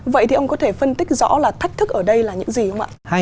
vậy thì ông có thể phân tích rõ là thách thức ở đây là những gì không ạ